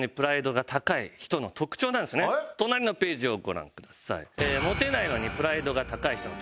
隣のページをご覧ください。